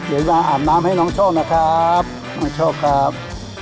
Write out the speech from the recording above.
เดี๋ยวจะอาบน้ำให้น้องโชคนะครับน้องโชคครับ